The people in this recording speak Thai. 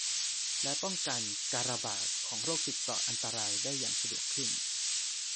และป้องกันการระบาดของโรคติดต่ออันตรายได้อย่างสะดวกขึ้น